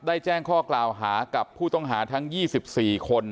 ได้แจ้งข้อกล่าวหากับผู้ต้องหาทั้งยี่สิบสี่คน